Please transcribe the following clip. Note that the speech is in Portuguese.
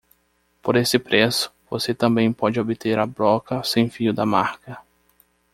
Por esse preço, você também pode obter a broca sem fio da marca.